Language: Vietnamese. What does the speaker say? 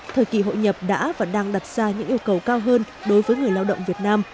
thời kỳ hội nhập đã và đang đặt ra những yêu cầu cao hơn đối với người lao động việt nam